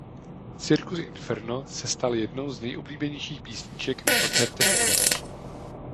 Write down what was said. Cirkus Inferno se stal jednou z nejoblíbenějších písniček na koncertech u lidí.